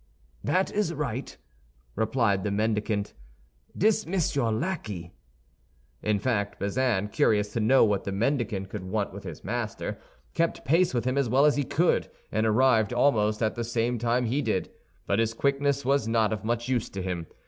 "That is right," replied the mendicant; "dismiss your lackey." In fact, Bazin, curious to know what the mendicant could want with his master, kept pace with him as well as he could, and arrived almost at the same time he did; but his quickness was not of much use to him.